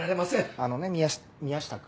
あのね宮宮下君。